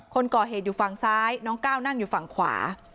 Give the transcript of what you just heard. คนก่อเหตุอยู่ฝั่งซ้ายน้องก้าวนั่งอยู่ฝั่งขวา